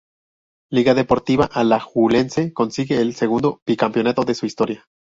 Liga Deportiva Alajuelense consigue el segundo bicampeonato de su historia.